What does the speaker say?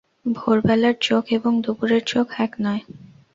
ভোরবেলার চোখ এবং দুপুরের চোখ এক নয়।